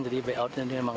jadi buyoutnya memang